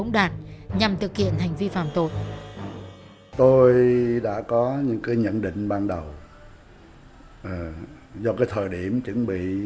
dạo ấn vào ổ điện